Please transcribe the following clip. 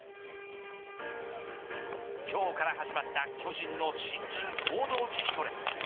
今日から始まった巨人の新人合同自主トレ。